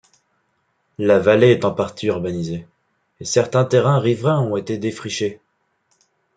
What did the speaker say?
La vallée est en partie urbanisée, et certains terrains riverains ont été défrichés.